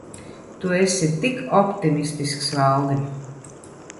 Tu esi tik optimistisks, Valdi.